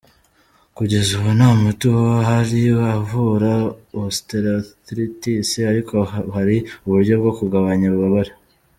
Kugeza ubu nta muti uhari uvura osteoarthritis, ariko hari uburyo bwo kugabanya ububabare.